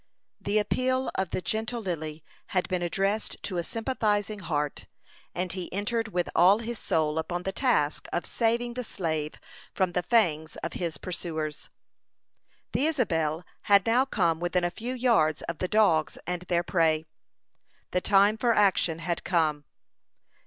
The appeal of the gentle Lily had been addressed to a sympathizing heart, and he entered with all his soul upon the task of saving the slave from the fangs of his pursuers. The Isabel had now come within a few yards of the dogs and their prey. The time for action had come.